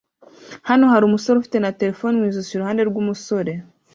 Hano hari umusore ufite na terefone mu ijosi iruhande rwumusore